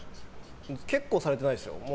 結構されてないですよ。